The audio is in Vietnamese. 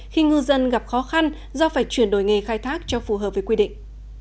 khi ngư dân gặp khó khăn do phải chuyển đổi nghề khai thác cho phù hợp với quy định